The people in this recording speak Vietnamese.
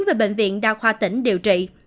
về bệnh viện đa khoa tỉnh điều trị